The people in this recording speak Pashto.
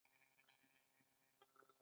ګډونوال له مخکې لیکل شوي مواد وړاندې کوي.